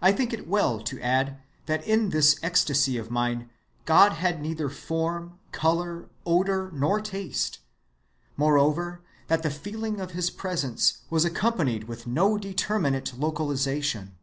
I think it well to add that in this ecstasy of mine God had neither form, color, odor, nor taste; moreover, that the feeling of his presence was accompanied with no determinate localization.